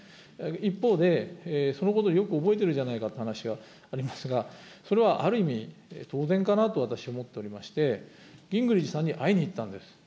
一方で、そのことをよく覚えているじゃないかという話がありますが、それはある意味、当然かなと私、思っておりまして、ギングリッチさんに会いに行ったんです。